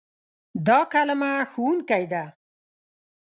دا کلمه "ښوونکی" ده.